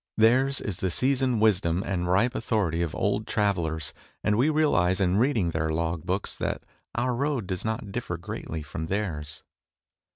Theirs is the seasoned wisdom and ripe authority of old travellers, and we realize in reading their log books that our road does not differ greatly from theirs.